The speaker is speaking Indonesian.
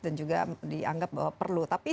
dan juga dianggap perlu tapi